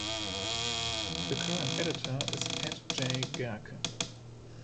The current editor is Pat J. Gehrke.